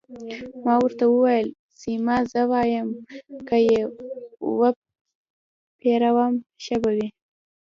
ما ورته وویل: سیمه، زه وایم که يې وپېرم، ښه به وي.